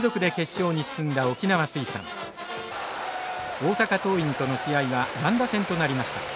大阪桐蔭との試合は乱打戦となりました。